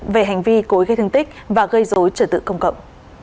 về hành vi cối gây thương tích và gây dối trật tự công cộng